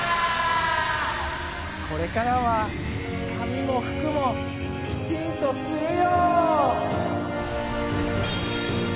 これからはかみもふくもきちんとするよ。